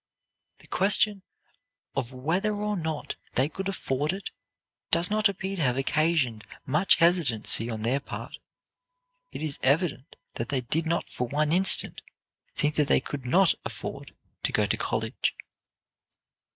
The question of whether or not they could afford it does not appear to have occasioned much hesitancy on their part. It is evident that they did not for one instant think that they could not afford to go to college.